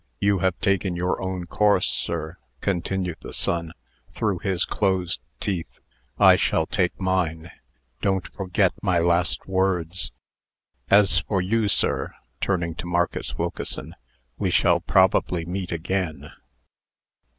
"You have taken your own course, sir," continued the son, through his closed teeth. "I shall take mine. Don't forget my last words. As for you, sir," turning to Marcus Wilkeson, "we shall probably meet again."